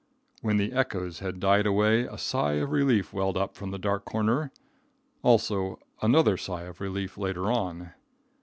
When the echoes had died away a sigh of relief welled up from the dark corner. Also another sigh of relief later on.